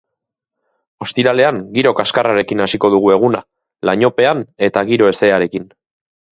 Ostiralean giro kaskarrarekin hasiko dugu eguna, lainopean eta giro hezearekin.